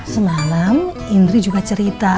semalam indri juga cerita